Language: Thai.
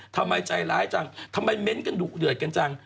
ทำไมใจร้ายจังทำไมเม้นต์กันดุเดือดกันจัง